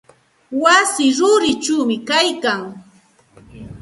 Wasi rurichawmi kaylkan.